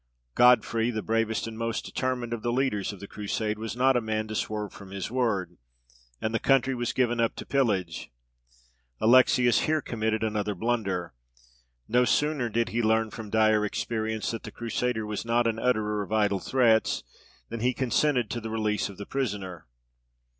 Godfrey, the bravest and most determined of the leaders of the Crusade, was not a man to swerve from his word, and the country was given up to pillage. Alexius here committed another blunder. No sooner did he learn from dire experience that the Crusader was not an utterer of idle threats, than he consented to the release of the prisoner.